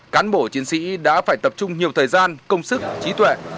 cán bộ chiến sĩ đã phải tập trung nhiều thời gian công sức trí tuệ